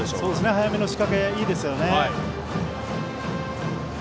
早めの仕掛け、いいですね。